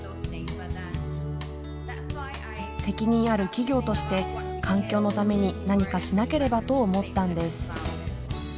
責任ある企業として環境のために何かしなければと思ったんです。